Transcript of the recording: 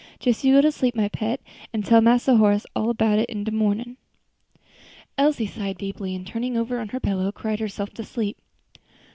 Jes you go sleep, my pet, an' tell Mass Horace all 'bout it in de mornin'." Elsie sighed deeply, and turning over on her pillow, cried herself to sleep.